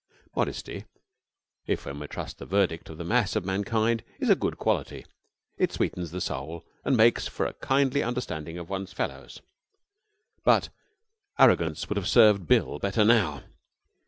Modesty, if one may trust to the verdict of the mass of mankind, is a good quality. It sweetens the soul and makes for a kindly understanding of one's fellows. But arrogance would have served Bill better now.